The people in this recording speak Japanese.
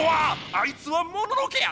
あいつはモノノ家や！